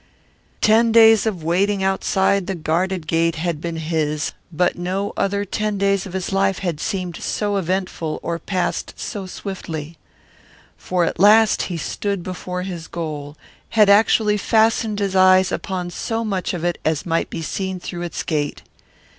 Ten days of waiting outside the guarded gate had been his, but no other ten days of his life had seemed so eventful or passed so swiftly. For at last he stood before his goal, had actually fastened his eyes upon so much of it as might be seen through its gate.